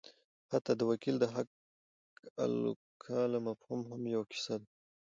حتی د وکیل د حقالوکاله مفهوم هم یوه کیسه ده.